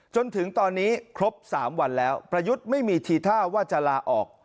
จนถึงตอนนี้ครบ๓วันแล้วประยุทธ์ไม่มีทีท่าว่าจะลาออก